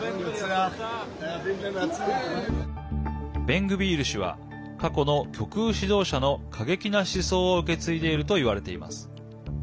ベングビール氏は過去の極右指導者の過激な思想を受け継いでいるといわれています。